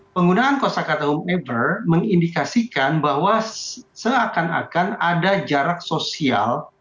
penggunaan kosa kataum ever mengindikasikan bahwa seakan akan ada jarak sosial